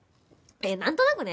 いやなんとなくね。